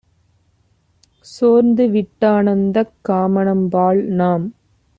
சோர்ந்துவிட் டானந்தக் காமனம்பால்! - நாம்